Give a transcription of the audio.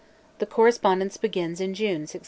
(The correspondence begins in June 1601.)